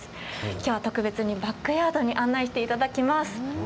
今日は特別にバックヤードに案内していただきます。